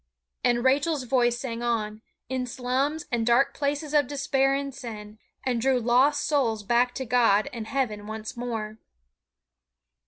And Rachel's voice sang on, in slums and dark places of despair and sin, and drew lost souls back to God and heaven once more.